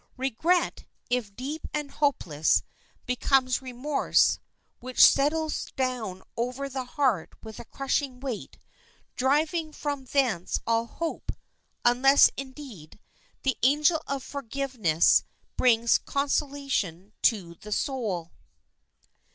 Regret, if deep and hopeless, becomes remorse, which settles down over the heart with a crushing weight, driving from thence all hope, unless, indeed, the angel of forgiveness brings consolation to the soul.